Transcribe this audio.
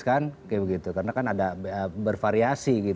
kan kaya begitu karena kan ada bervariasi gitu